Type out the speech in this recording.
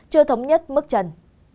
chưa thống nhất mức trần